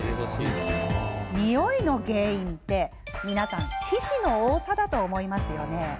においの原因って、皆さん皮脂の多さだと思いますよね？